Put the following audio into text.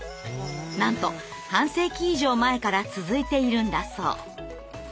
なんと半世紀以上前から続いているんだそう。